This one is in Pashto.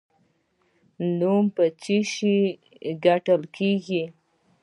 نوم په څه شي ګټل کیږي؟